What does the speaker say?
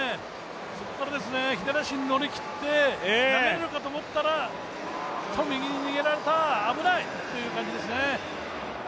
そこから左足にのりきって投げられるかと思ったら、右に逃げられた、危ないって感じですね。